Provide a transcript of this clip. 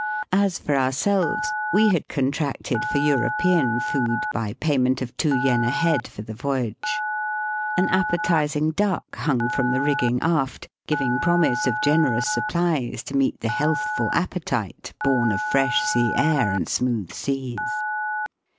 As for ourselves, we had contracted for European food by payment of two yen a head for the voyage. An appetising duck hung from the rigging aft, giving promise of generous supplies to meet the healthful appetite bom of fresh sea air and smooth seas.